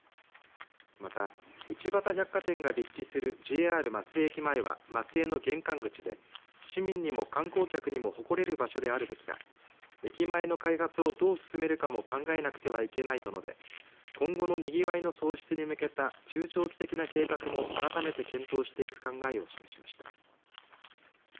また一畑百貨店が立地するＪＲ松江駅前は松江の玄関口で市民にも観光客にも誇れる場所であるべきだ駅前の開発をどう進めるかも考えなくてはいけないと述べ今後のにぎわいの創出に向けた中長期的な計画も改めて検討していく考えを示しました。